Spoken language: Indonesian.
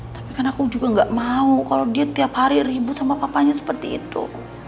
tapi kan aku juga gak mau kalau dia tiap hari ribut sama papanya seperti itu